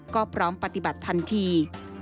ก็พร้อมปฏิบัติทันที